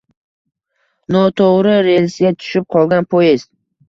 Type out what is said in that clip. noto‘g‘ri relsga tushib qolgan poyezd